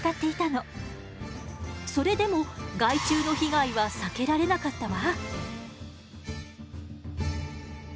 それでも害虫の被害は避けられなかったわ。